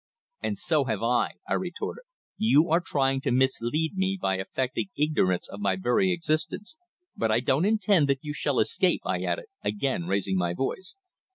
"And so have I!" I retorted. "You are trying to mislead me by affecting ignorance of my very existence, but I don't intend that you shall escape!" I added, again raising my voice.